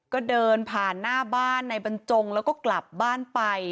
ก็เดินผ่านหน้าบ้านในบรรจงแล้วก็กลับบ้านไป